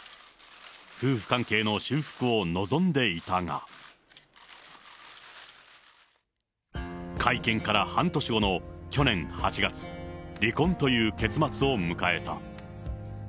夫婦関係の修復を望んでいたが、会見から半年後の去年８月、離婚という結末を迎えた。